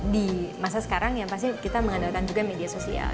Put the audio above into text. di masa sekarang yang pasti kita mengandalkan juga media sosial